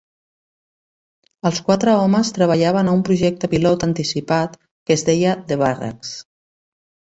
Els quatre homes treballaven a un projecte pilot anticipat que es deia The Barracks.